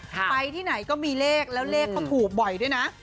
ไปที่ไหนก็มีเลขแล้วเลขเขาถูกบ่อยด้วยนะ